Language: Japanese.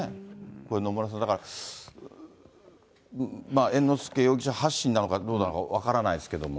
これ野村さん、だから、猿之助容疑者発信なのかどうなのか分からないですけども。